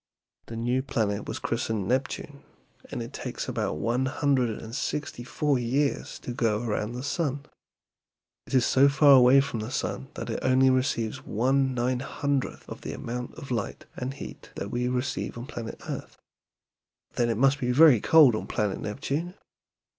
The new planet was christened Neptune, and it takes about one hundred and sixty four years to go around the sun. It is so far away from the sun that it only receives one nine hundredth of the amount of light and heat we receive on planet earth." "Then it must be very cold on planet Neptune?"